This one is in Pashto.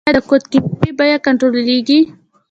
آیا د کود کیمیاوي بیه کنټرولیږي؟